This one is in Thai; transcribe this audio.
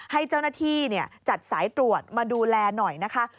ให้เจ้าหน้าที่จัดสายตรวจมาดูแลหน่อยนะคะ